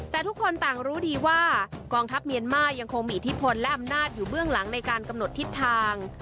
แต่ทุกคนต่างรู้ดีว่ากองทัพเมียนมายังคงมีอิทธิพลและอำนาจอยู่เบื้องหลังในการกำหนดทิศทาง